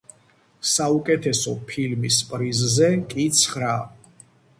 საუკეთესო ფილმის პრიზზე კი ცხრა.